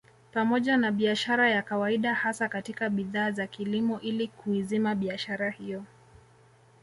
Pamoja na biashara ya kawaida hasa katika bidhaa za kilimo ili kuizima biashara hiyo